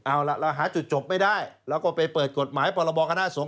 เอาล่ะเราหาจุดจบไม่ได้เราก็ไปเปิดกฎหมายพรบคณะสงฆ